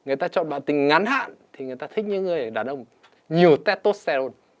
người ta chọn đoạn tình ngắn hạn thì người ta thích những người đàn ông nhiều tét tốt xe luôn